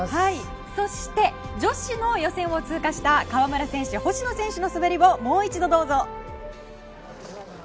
そして女子の予選を通過した川村選手、星野選手の滑りをもう一度どうぞ。